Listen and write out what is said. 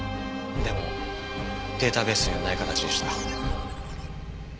でもデータベースにはない形でした。